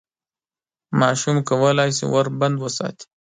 ماشوم کولای شي ور بند وساتي.